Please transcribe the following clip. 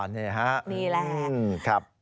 อ๋อนี่แหละ